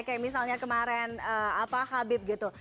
kayak misalnya kemarin habib gitu